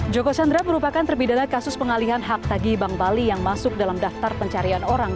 joko chandra merupakan terpidana kasus pengalihan hak tagi bank bali yang masuk dalam daftar pencarian orang